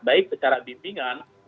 baik secara bimbingan